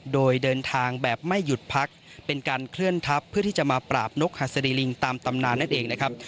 โดยเดินทางแบบไม่หยุดพักเป็นการเคลื่อนทัพเพื่อที่จะมาปราบนกหัสดีลิงตามตำนานนั่นเองนะครับ